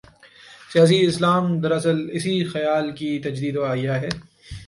'سیاسی اسلام‘ دراصل اسی خیال کی تجدید و احیا ہے۔